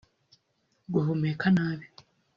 guhumeka nabi